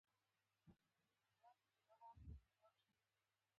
پیغلې په خوند خوند په اتڼ کې تاووي لاسونه